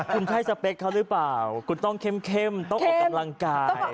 คุณใช่สเปคเขาหรือเปล่าคุณต้องเข้มต้องออกกำลังกาย